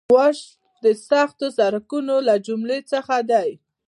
واش د سختو سړکونو له جملې څخه دی